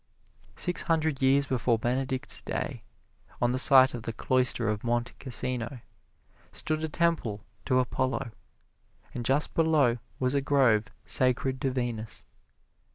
Six hundred years before Benedict's day, on the site of the cloister of Monte Cassino stood a temple to Apollo, and just below was a grove sacred to Venus.